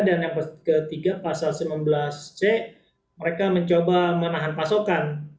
dan yang ketiga pasal sembilan belas c mereka mencoba menahan pasokan